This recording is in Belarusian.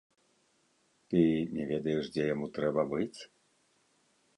Ты не ведаеш, дзе яму трэба быць?